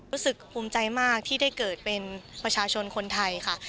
รู้สึกภูมิใจมากที่ได้เกิดเป็นประชาชนคนไทยค่ะ